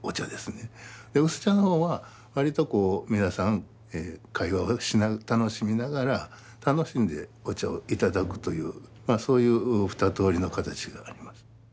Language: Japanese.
薄茶の方はわりと皆さん会話を楽しみながら楽しんでお茶をいただくというそういう二とおりの形があります。